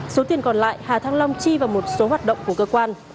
số tiền còn lại hà thăng long chi vào một số hoạt động của cơ quan